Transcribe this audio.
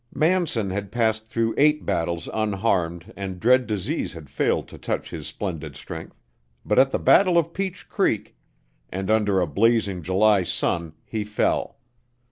Manson had passed through eight battles unharmed and dread disease had failed to touch his splendid strength; but at the battle of Peach Creek, and under a blazing July sun he fell.